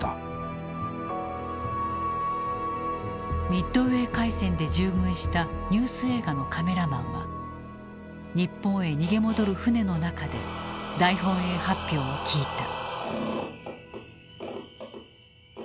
ミッドウェー海戦で従軍したニュース映画のカメラマンは日本へ逃げ戻る船の中で大本営発表を聞いた。